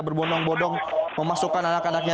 berbondong bondong memasukkan anak anaknya